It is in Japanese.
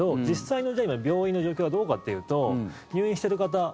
実際の病院の状況はどうかというと入院している方